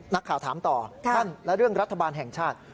นักข่าวถามต่อท่านและเรื่องรัฐบาลแห่งชาติ